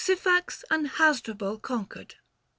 SYPHAX AND HASDRUBAL CONQUERED.